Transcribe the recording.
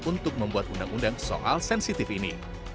untuk membuat undang undang soal sensitif ini